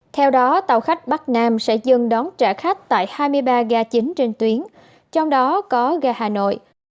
theo đó tàu khách bắc nam sẽ dừng đón trả khách tại hai mươi ba ga chính trên tuyến trong đó có ga hà nội